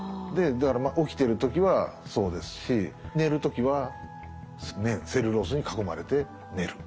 だから起きてる時はそうですし寝る時は綿セルロースに囲まれて寝る。